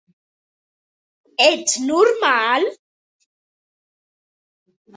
Ets normal?